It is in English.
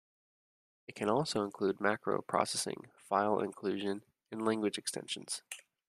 It can also include macro processing, file inclusion and language extensions.